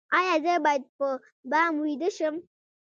ایا زه باید په بام ویده شم؟